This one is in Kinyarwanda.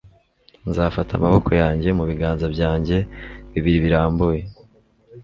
nzafata amaboko yanjye, mu biganza byanjye bibiri birambuye